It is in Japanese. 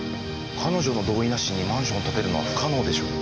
彼女の同意なしにマンションを建てるのは不可能でしょう。